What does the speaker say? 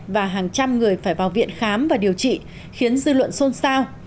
và hàng trăm người phải vào viện khám và điều trị khiến dư luận xôn xao